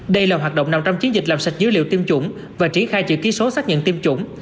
đây là hoạt động nằm trong chiến dịch làm sạch dữ liệu tiêm chủng và triển khai chữ ký số xác nhận tiêm chủng